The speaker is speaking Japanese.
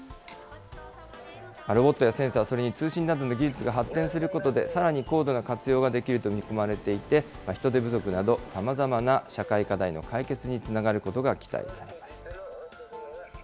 ロボットやセンサー、それに通信などの技術が発展することで、さらに高度な活用ができると見込まれていて、人手不足など様々な社会課題の解決につながることが期待されます。